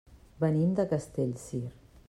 Venim de Castellcir.